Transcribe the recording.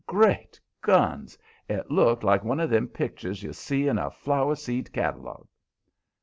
Great guns! It looked like one of them pictures you see in a flower seed catalogue.